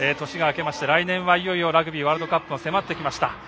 年が明けまして、来年はいよいよラグビーワールドカップが迫ってきました。